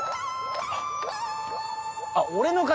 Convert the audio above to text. あっ俺の金！